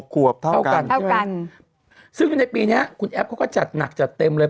ขวบเท่าเท่ากันเท่ากันซึ่งในปีนี้คุณแอปเขาก็จัดหนักจัดเต็มเลย